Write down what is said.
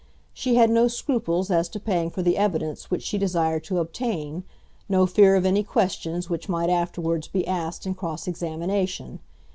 She had no scruples as to paying for the evidence which she desired to obtain, no fear of any questions which might afterwards be asked in cross examination.